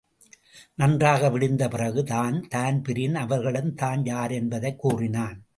நன்றாக விடிந்த பிறகு தான்தான்பிரீன் அவர்களிடம் தான் யாரென்பதைக் கூறினான்.